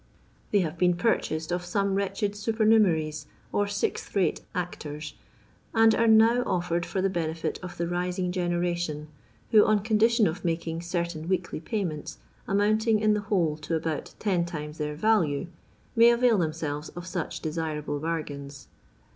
They have been purchased of some wretched supernumeraries, or sixth rate actors, and are now offered for the benefit of the rising generation, who, on condition of making certain weekly payments, amounting in the whole to abont ten times their value, may avail them selres of such desirable bargains.